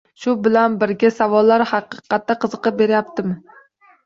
Shu bilan birga savollar haqiqatda qiziqib berayaptimi